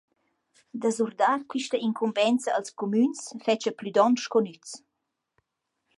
Da surdar quista incumbenza als cumüns fetscha plü don co nüz.